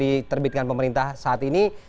diterbitkan pemerintah saat ini